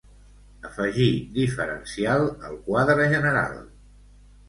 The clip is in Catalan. Afegir diferencial al quadre general